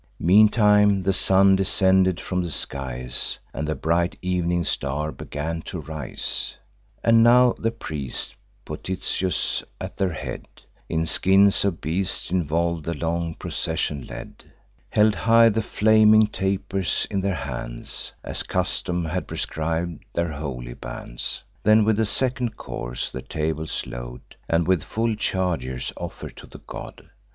Meantime the sun descended from the skies, And the bright evening star began to rise. And now the priests, Potitius at their head, In skins of beasts involv'd, the long procession led; Held high the flaming tapers in their hands, As custom had prescrib'd their holy bands; Then with a second course the tables load, And with full chargers offer to the god.